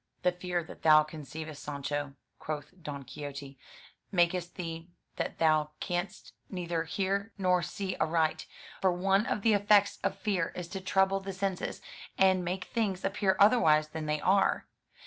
"The fear that thou conceivest, Sancho," quoth Don Quixote, "makest thee that thou canst neither hear nor see aright; for one of the effects of fear is to trouble the senses, and make things appear otherwise than they are.